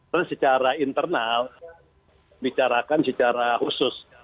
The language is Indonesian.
karena secara internal bicarakan secara khusus